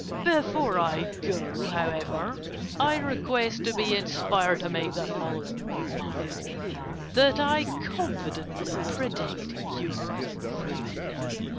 Before I go, however, I request to be inspired to make the following remark that I confidently predict your ruin.